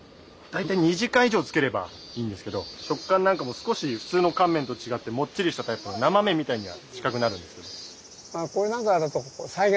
大体２時間以上つければいいんですけど食感なんかも少し普通の乾麺と違ってもっちりしたタイプの生麺みたいには近くなるんですけど。